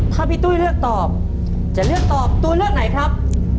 ถ้าพี่ตุ้ยเลือกตอบจะเลือกตอบตัวเลือกไหนครับ